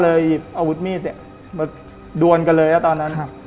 ก็เลยหยิบอาวุธมีดเนี้ยมาดวนกันเลยอ่ะตอนนั้นอ่ะ